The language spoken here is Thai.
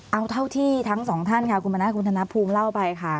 เอาเท่าที่ทั้งสองท่านค่ะคุณมณัฐคุณธนภูมิเล่าไปค่ะ